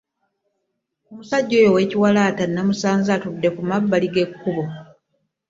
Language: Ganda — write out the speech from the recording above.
Omusajja oyo owekiwalaata namusanze ngattude ku mabbali ge kkubo.